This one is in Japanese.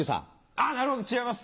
あなるほど違います。